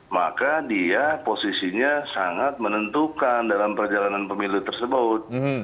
maka dia posisinya sangat menentukan dalam perjalanan pemilu tersebut